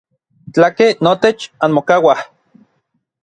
Tlakej notech anmokauaj.